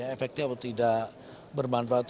efeknya tidak bermanfaat